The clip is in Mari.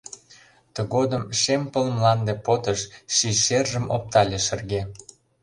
Тыгодым шем пыл мланде-подыш Ший шержым оптале шырге.